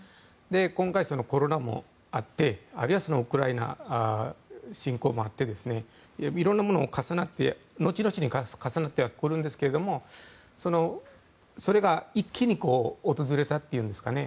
今回、コロナもあってあるいはウクライナ侵攻もあって色んなものが重なって後々に重なってくるんですがそれが一気に訪れたというんですかね